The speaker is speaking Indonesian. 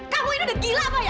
kamu ini udah gila kok ya